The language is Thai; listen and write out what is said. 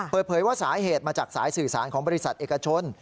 เปิดเผยว่าสาเหตุมาจากสายสื่อสารของบริษัทเอกชน